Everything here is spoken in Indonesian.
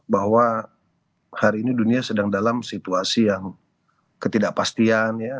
bahwa hari ini dunia sedang dalam situasi yang ketidakpastian ya